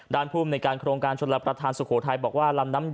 ดาร์พลุภูมิในการโครงการโชนระประทานสุโขทัยบอกว่า